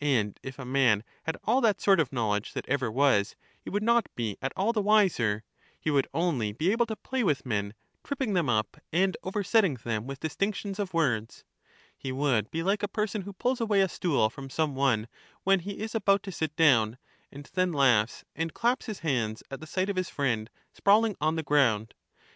And if a man had all that sort of knowledge that ever was, he would not be at all the wiser; he would only be able to play with men, tripping them up and oversetting them with distinc tions of words. He would be like a person who pulls away a stool from some one when he is about to sit down, and then laughs and claps his hands at the sight EUTHYDEMUS 231 of his friend sprawling on the ground.